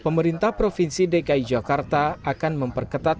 pemerintah provinsi dki jakarta akan memperketat